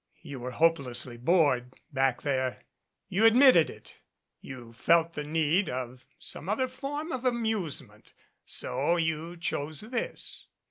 You were hopelessly bored back there. You've admitted it. You felt the need of some other form of amusement so you chose this.